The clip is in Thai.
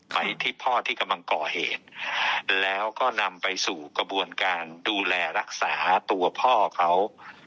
ไปที่พ่อที่กำลังก่อเหตุแล้วก็นำไปสู่กระบวนการดูแลรักษาตัวพ่อเขา